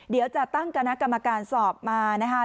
เดี๋ยวจะตั้งคณะกรรมการสอบมานะคะ